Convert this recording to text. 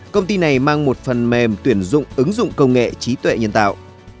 công ty này mang một phần mềm tuyển dụng ứng dụng công nghệ trí tuệ nhân tạo